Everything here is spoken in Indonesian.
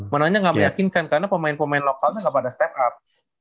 menangnya gak meyakinkan karena pemain pemain lokalnya gak pada step up